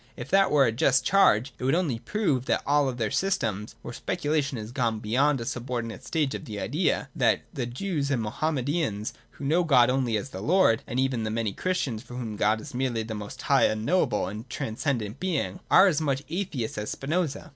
If that were a just charge, it would only prove that all other systems, where speculation has not gone beyond a subordinate stage of the idea, — that the Jews and Moham medans who know God only as the Lord, — and that even the many Christians for whom God is merely the most high, unknowable, and transcendent being, are as much atheists as Spinoza.